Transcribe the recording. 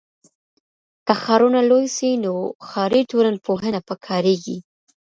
که ښارونه لوی سي نو ښاري ټولنپوهنه پکاریږي.